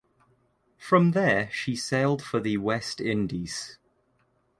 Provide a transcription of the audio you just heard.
From there she sailed for the West Indies.